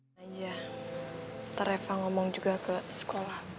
nanti reva ngomong juga ke sekolah